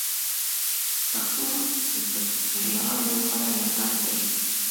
پښتو زده کړیالانو لپاره یو ډاډ دی